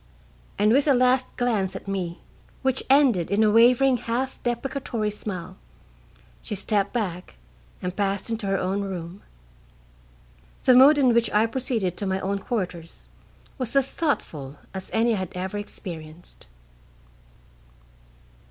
And with a last glance at me, which ended in a wavering half deprecatory smile, she stepped back and passed into her own room. The mood in which I proceeded to my own quarters was as thoughtful as any I had ever experienced.